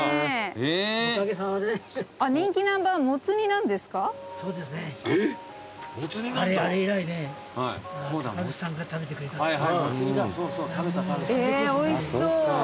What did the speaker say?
えーおいしそう。